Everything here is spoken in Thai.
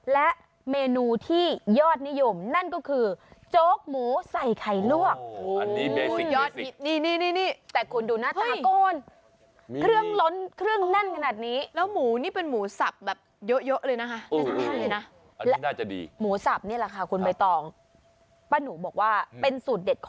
และเมนูที่ยอดนิยมนั่นก็คือโจ๊กหมูใส่ไข่ลวกอันนี้เบสิกเบสิก